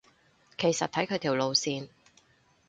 其實睇佢條路線